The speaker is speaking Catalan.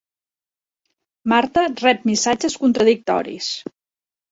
Marta rep missatges contradictoris.